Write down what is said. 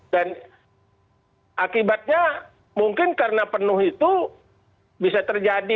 akibatnya mungkin karena penuh itu bisa terjadi